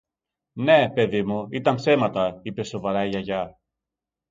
Ναι, παιδί μου, ήταν ψέματα, είπε σοβαρά η Γιαγιά.